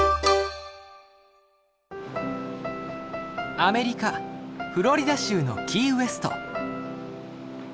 アメリカフロリダ州のキーウェスト。